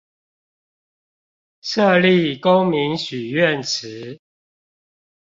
設立公民許願池